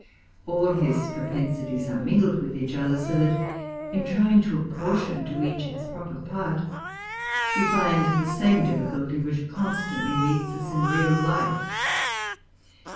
All his propensities are mingled with each other, so that, in trying to apportion to each its proper part, we find the same difficulty which constantly meets us in real life.